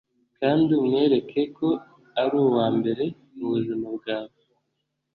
kandi umwereke ko ari uwa mbere mu buzima bwawe: